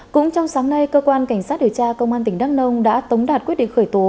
cũng trong sáng nay cơ quan cảnh sát điều tra công an tỉnh đắk nông đã tống đạt quyết định khởi tố